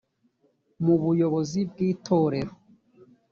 mu buyobozi bw’ itorero